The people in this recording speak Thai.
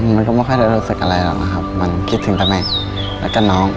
มันก็ไม่ค่อยได้รู้สึกอะไรหรอกนะครับมันคิดถึงแต่แม่แล้วก็น้อง